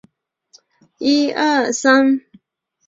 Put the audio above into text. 氢化电子偶素是奇异化合物的一个例子。